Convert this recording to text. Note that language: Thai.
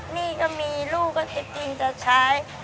นี่ก็มีลูกก็เท็จจริงจะใช้